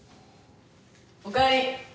おかえり。